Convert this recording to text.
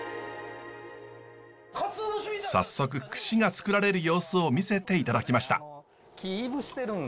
早速櫛が作られる様子を見せていただきました。